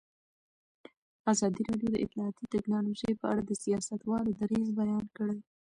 ازادي راډیو د اطلاعاتی تکنالوژي په اړه د سیاستوالو دریځ بیان کړی.